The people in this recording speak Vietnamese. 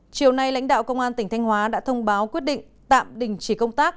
chiều nay lãnh đạo công an tỉnh thanh hóa đã thông báo quyết định tạm đình chỉ công tác